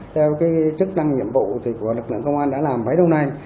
theo cái chức năng nhiệm vụ của lực lượng công an đã làm mấy đông nay